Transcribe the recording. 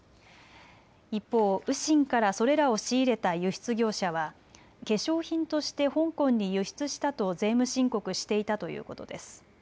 一方、雨辰からそれらを仕入れた輸出業者は化粧品として香港に輸出したと税務申告していたということです。